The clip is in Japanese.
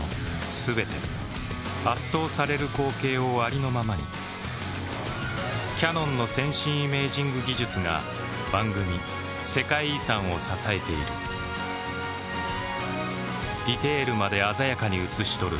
全て圧倒される光景をありのままにキヤノンの先進イメージング技術が番組「世界遺産」を支えているディテールまで鮮やかに映し撮る